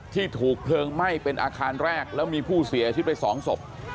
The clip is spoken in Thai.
ที่ถูกเพลิงไหม้เป็นอาคารแรกแล้วมีผู้เสียชีวิตไป๒ศพ